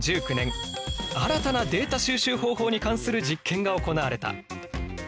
新たなデータ収集方法に関する実験が行われた。